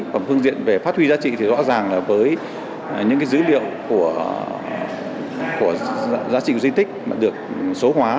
còn phương diện về phát huy giá trị thì rõ ràng là với những dữ liệu của giá trị di tích mà được số hóa